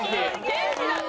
元気だね。